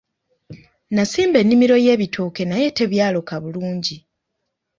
Nasimba ennimiro y'ebitooke naye tebyaloka bulungi.